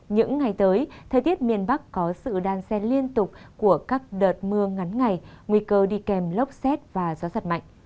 những ngày tới thời tiết miền bắc có sự đan xen liên tục của các đợt mưa ngắn ngày nguy cơ đi kèm lốc xét và gió giật mạnh